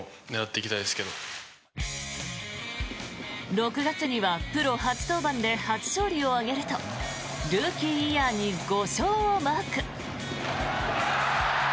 ６月にはプロ初登板で初勝利を挙げるとルーキーイヤーに５勝をマーク。